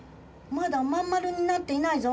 まだまんまるになっていないぞ。